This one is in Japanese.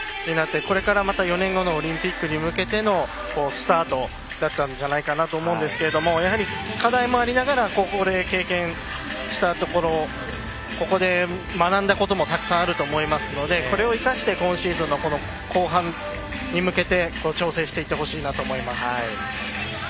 これからこのあとの４年後オリンピックに向けてのスタートだったんじゃないかなと思うんですけどもやはり、課題もありながらここで経験したところここで学んだこともたくさんあると思いますのでこれを生かして今シーズンの後半に向けて調整していってほしいなと思います。